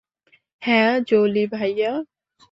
হ্যাঁ, জোলি ভাইয়া!